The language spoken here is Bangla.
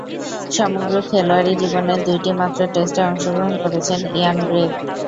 সমগ্র খেলোয়াড়ী জীবনে দুইটিমাত্র টেস্টে অংশগ্রহণ করেছেন ইয়ান গ্রেগ।